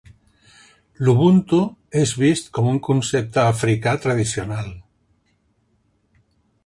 L'Ubuntu és vist com un concepte africà tradicional